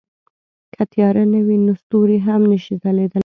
که تیاره نه وي نو ستوري هم نه شي ځلېدلی.